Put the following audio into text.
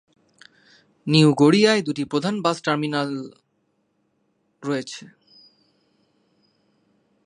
New গড়িয়ায় দুটি প্রধান বাস টার্মিনাস রয়েছে।